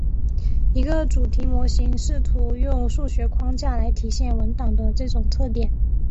一个主题模型试图用数学框架来体现文档的这种特点。